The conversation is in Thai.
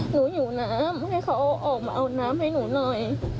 หนูอยู่น้ำให้เขาออกมาเอาน้ำให้หนูหน่อย